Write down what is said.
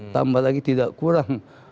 tambah lagi tidak kurang